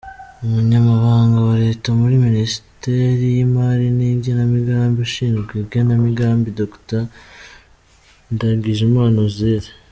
Umunyamabanga wa Leta muri Minisiteri y’Imari n’Igenamigambi ushinzwe igenamigambi: Dr Ndagijimana Uzziel.